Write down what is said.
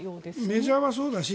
メジャーはそうだし